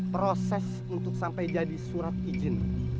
proses untuk sampai jadi surat izin